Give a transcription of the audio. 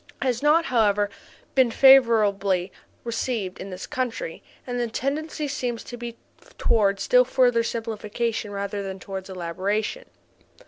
has not, however, been favorably received in this country and the tendency seems to be toward still further simplification rather than toward elaboration.